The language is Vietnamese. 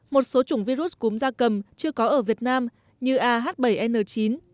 một số chủng virus cúm da cầm chưa có ở việt nam như ah bảy n chín